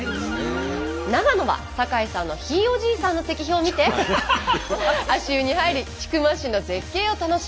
長野は坂井さんのひいおじいさんの石碑を見て足湯に入り千曲市の絶景を楽しむ。